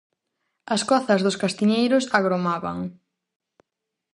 As cozas dos castiñeiros agromaban.